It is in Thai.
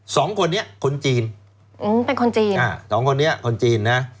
สองคนนี้คนจีนอืมเป็นคนจีนอ่าสองคนนี้คนจีนนะ